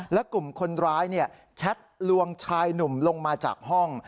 และกลุ่มคนร้ายแชทลวงชายหนุ่มลงมาจากห้อง